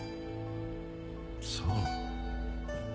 そう。